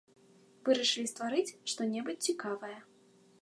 Вырашылі стварыць што-небудзь цікавае.